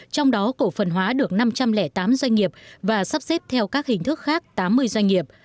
trong đó cổ phần hóa được năm trăm linh tám doanh nghiệp và sắp xếp theo các hình thức khác tám mươi doanh nghiệp